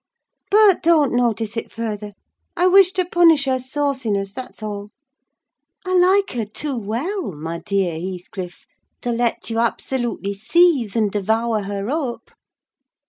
But don't notice it further: I wished to punish her sauciness, that's all. I like her too well, my dear Heathcliff, to let you absolutely seize and devour her up."